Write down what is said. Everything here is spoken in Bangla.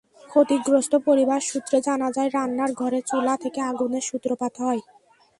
ক্ষতিগ্রস্ত পরিবার সূত্রে জানা যায়, রান্নার ঘরে চুলা থেকে আগুনের সূত্রপাত হয়।